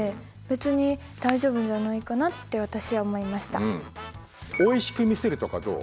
私は別においしく見せるとかどう？